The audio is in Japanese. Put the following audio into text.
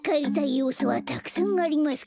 うそはたくさんありますけども。